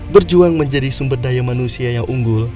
berjuang menjadi sumber daya manusia yang unggul